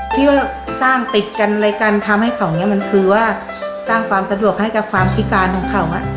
ที่ว่าสร้างติดกันอะไรกันทำให้เขาเนี่ยมันคือว่าสร้างความสะดวกให้กับความพิการของเขา